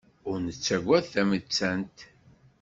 Ur nettagad tamettant.